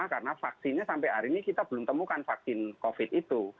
karena vaksinnya sampai hari ini kita belum temukan vaksin covid itu